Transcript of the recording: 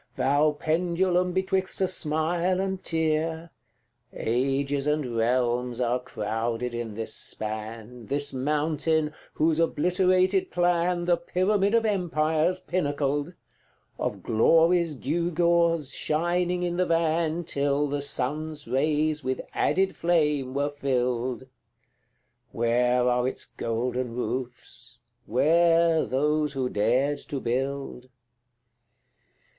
Thou pendulum betwixt a smile and tear, Ages and realms are crowded in this span, This mountain, whose obliterated plan The pyramid of empires pinnacled, Of Glory's gewgaws shining in the van Till the sun's rays with added flame were filled! Where are its golden roofs? where those who dared to build?